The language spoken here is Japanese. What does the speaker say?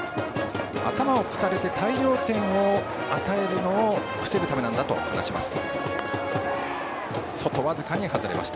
頭を越されて大量点を与えるのを防ぐためなんだと話します。